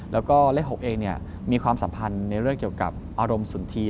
แล้วก็เลข๖เองมีความสัมพันธ์ในเรื่องเกี่ยวกับอารมณ์สุนธี